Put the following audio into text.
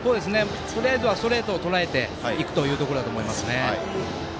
とりあえずはストレートをとらえていくというところだと思いますね。